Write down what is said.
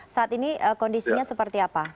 saat ini kondisinya seperti apa